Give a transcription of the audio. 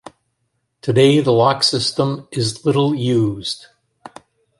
Today, the lock system is little used.